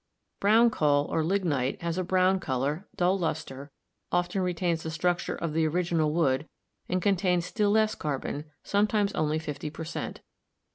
Brown coal, or lignite, has a brown color, dull luster, often retains the structure of the original wood and contains still less car bon, sometimes only 50 per cent.